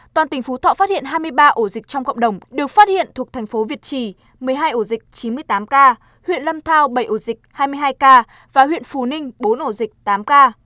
toàn tỉnh phú thọ phát hiện hai mươi ba ổ dịch trong cộng đồng được phát hiện thuộc thành phố việt trì một mươi hai ổ dịch chín mươi tám ca huyện lâm thao bảy ổ dịch hai mươi hai ca và huyện phù ninh bốn ổ dịch tám ca